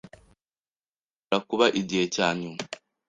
Birashobora kuba igihe cyanyuma.